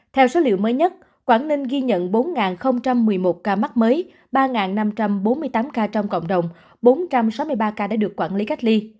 theo số liệu mới nhất quảng ninh ghi nhận bốn một mươi một ca mắc mới ba năm trăm bốn mươi tám ca trong cộng đồng bốn trăm sáu mươi ba ca đã được quản lý cách ly